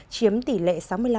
chiếm tỷ lệ sáu mươi năm